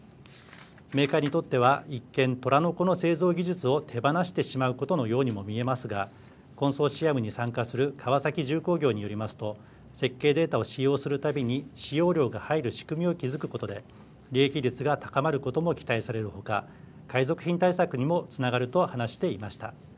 メーカーにとっては一見虎の子の製造技術を手放してしまうことのようにも見えますがコンソーシアムに参加する川崎重工業によりますと設計データを使用するたびに使用料が入る仕組みを築くことで利益率が高まることも期待されるほか海賊品対策にもつながると話していました。